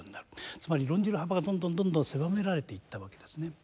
つまり論じる幅がどんどんどんどん狭められていったわけですね。